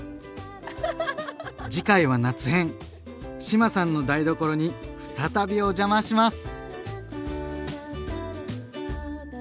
志麻さんの台所に再びお邪魔します！